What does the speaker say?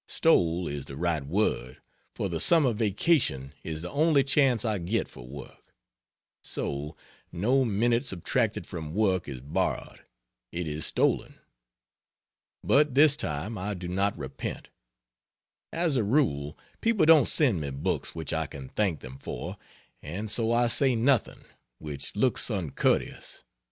Stole is the right word, for the summer "Vacation" is the only chance I get for work; so, no minute subtracted from work is borrowed, it is stolen. But this time I do not repent. As a rule, people don't send me books which I can thank them for, and so I say nothing which looks uncourteous.